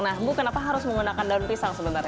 nah bu kenapa harus menggunakan daun pisang sebenarnya